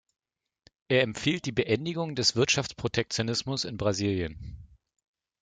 Er empfiehlt die Beendigung des Wirtschaftsprotektionismus in Brasilien.